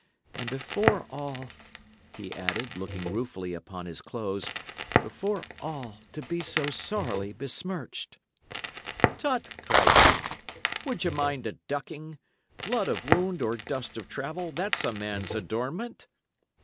And before all," he added, looking ruefully upon his clothes "before all, to be so sorrily besmirched!" "Tut!" cried Dick. "Would ye mind a ducking? Blood of wound or dust of travel that's a man's adornment."